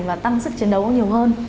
và tăng sức chiến đấu cũng nhiều hơn